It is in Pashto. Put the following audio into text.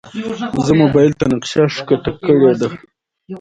زه موبایل ته نقشه ښکته کړې ده.